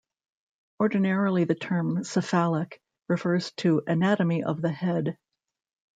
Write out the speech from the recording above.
Ordinarily the term "cephalic" refers to anatomy of the head.